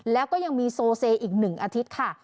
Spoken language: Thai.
แล้วก็ยังมีโซเซอีก๑อาทิตย์ค่ะ